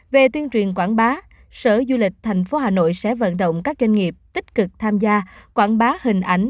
về tuyên truyền quảng bá sở du lịch tp hà nội sẽ vận động các doanh nghiệp tích cực tham gia quảng bá hình ảnh